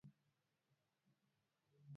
Amefumba masikio.